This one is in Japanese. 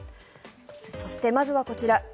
そして、まずはこちら。